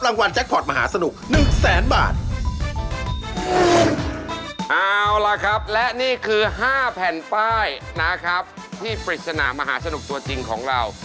ที่ปริศนามหาสนุกตัวจริงของเรา